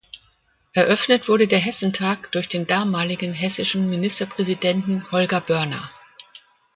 Eröffnet wurde der Hessentag durch den damaligen hessischen Ministerpräsidenten Holger Börner.